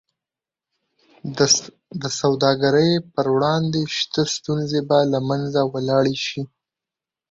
د سوداګرۍ پر وړاندې شته ستونزې به له منځه ولاړې شي.